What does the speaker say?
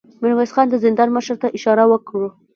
ميرويس خان د زندان مشر ته اشاره وکړه.